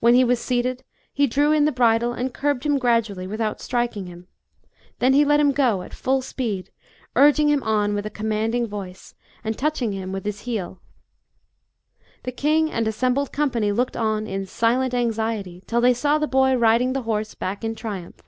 When he was seated, he drew in the bridle and curbed him gradually, without striking him. Then he let him go at full speed, urging him on with 134 "MACEDONIA is uoo SMALL FOR THEE." [B.C. 343. a commanding voice and touching him with his heel. The king and assembled company looked on, in silent anxiety, till they saw the boy riding the horse back in triumph.